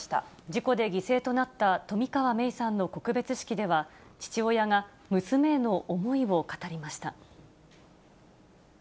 事故で犠牲となった冨川芽生さんの告別式では、父親が娘への思いを語りました。